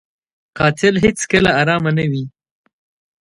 قاتل هېڅکله ارامه نه وي